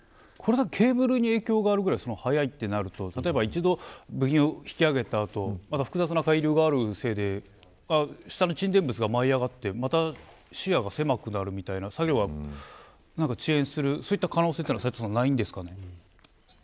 ケーブルに影響があるぐらい速いとなると部品を引き揚げた後また複雑な海流があるせいで下の沈殿物が舞い上がってまた視野が狭くなるみたいな作業が遅延する可能性はないんですか。